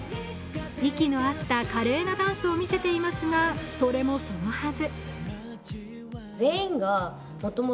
息の合った華麗なダンスを見せていますが、それもそのはず。